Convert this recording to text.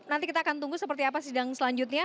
nanti kita akan tunggu seperti apa sidang selanjutnya